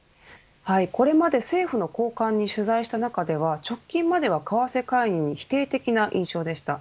これまで政府の高官に取材した中では直近までは為替介入に否定的な印象でした。